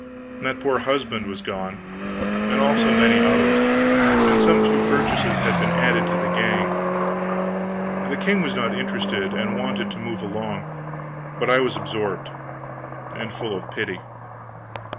That poor husband was gone, and also many others; and some few purchases had been added to the gang. The king was not interested, and wanted to move along, but I was absorbed, and full of pity.